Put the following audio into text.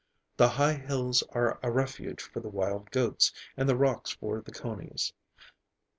The high hills are a refuge for the wild goats; and the rocks for the conies.